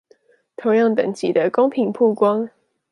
同樣等級的公平曝光